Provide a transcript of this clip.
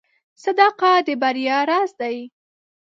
• صداقت د بریا راز دی.